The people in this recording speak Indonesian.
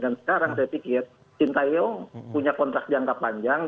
dan sekarang saya pikir sintayong punya kontrak jangka panjang